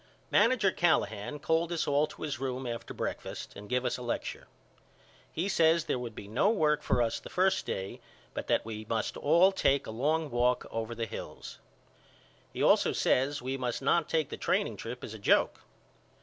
Manager Callahan called us all to his room after breakfast and give us a lecture. He says there would be no work for us the first day but that we must all take a long walk over the hills. He also says we must not take the training trip as a joke.